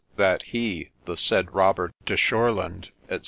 ' That he, the said Robert de Shurland, &o.